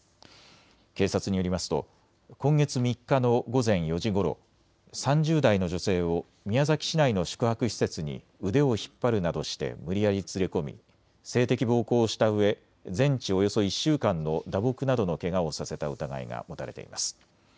警察によりますと今月３日の午前４時ごろ、３０代の女性を宮崎市内の宿泊施設に腕を引っ張るなどして無理やり連れ込み性的暴行をしたうえ、全治およそ１週間の打撲などのけがをさせた疑いが持たれています。